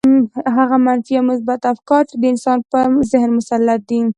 هغه منفي يا مثبت افکار چې د انسان پر ذهن مسلط دي.